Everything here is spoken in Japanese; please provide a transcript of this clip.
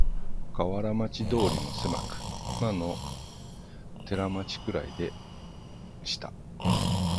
河原町通もせまく、いまの寺町くらいでした